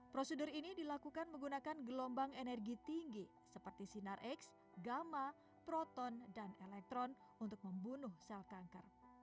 prosedur ini dilakukan menggunakan gelombang energi tinggi seperti sinar x gamma proton dan elektron untuk membunuh sel kanker